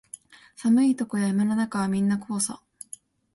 寒いとこや山の中はみんなこうさ